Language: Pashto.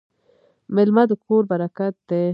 میلمه د کور برکت دی.